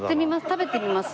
食べてみます？